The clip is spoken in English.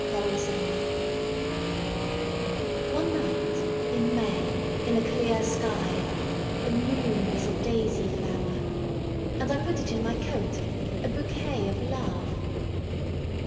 My Flower ONE night in May in a clear skyThe moon was a daisy flower:And! put it in my coat,A bouquet of Love!